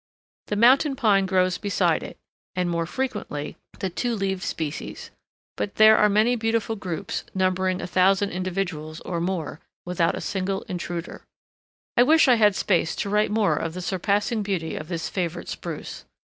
The Mountain Pine grows beside it, and more frequently the two leaved species; but there are many beautiful groups, numbering 1000 individuals, or more, without a single intruder. I wish I had space to write more of the surpassing beauty of this favorite spruce.